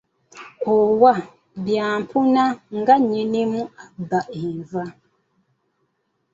Owaa, bya mpuna nga nnyinimu abba enva!